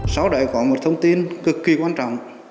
sau đấy có một thông tin cực kỳ quan trọng